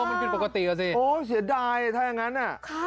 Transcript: โอ้มันปิดปกติเหรอสิโอ้เสียดายถ้างั้น